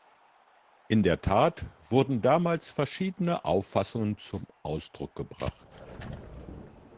In der Tat wurden damals verschiedene Auffassungen zum Ausdruck gebracht.